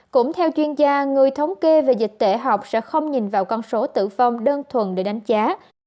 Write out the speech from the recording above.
cũng theo chuyên gia người thống kê về dịch tễ học sẽ không nhìn vào con số tử vong đơn thuần để đánh giá